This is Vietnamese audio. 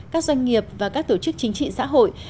các doanh nghiệp và các tổ chức chính trị xã hội